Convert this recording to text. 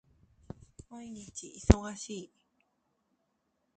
毎日忙しい